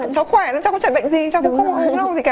cháu khỏe lắm cháu không chạy bệnh gì cháu cũng không ăn không gì cả